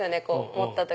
持った時。